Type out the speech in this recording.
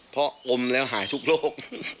เพราะอมแล้วหายทุกโรค